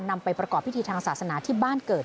นำไปประกอบพิธีทางศาสนาที่บ้านเกิด